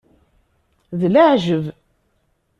D leɛjeb!